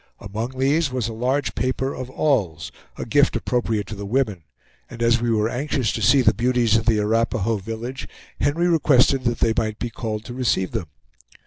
Among these was a large paper of awls, a gift appropriate to the women; and as we were anxious to see the beauties of the Arapahoe village Henry requested that they might be called to receive them.